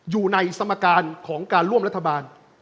อยู่ในสมการของการร่วมรัฐบาล